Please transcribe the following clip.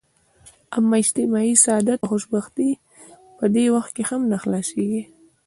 اما اجتماعي سعادت او خوشبختي په دې وخت هم نه حلاصیږي.